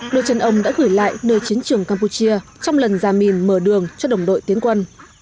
đội trần ông đã gửi lại nơi chiến trường campuchia trong lần gia mìn mở đường cho đồng đội tiến quân